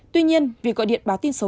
tuy nhiên việc gọi điện báo tin xấu